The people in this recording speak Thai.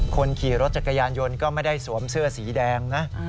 คนขี่รถจักรยานยนต์ก็ไม่ได้สวมเสื้อสีแดงนะ